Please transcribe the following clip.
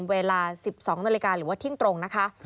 เวลา๑๒นาฬิกาหรือว่าทิ้งตรงนะคะ